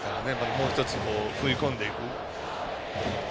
もう１つ、食い込んでいく。